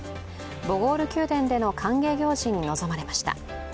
ボゴール宮殿での歓迎行事に臨まれました。